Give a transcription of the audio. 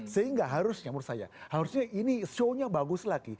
sehingga harusnya menurut saya